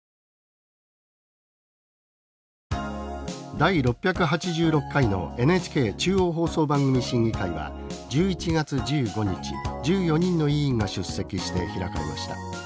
第６８６回のＮＨＫ中央放送番組審議会は１１月１５日１４人の委員が出席して開かれました。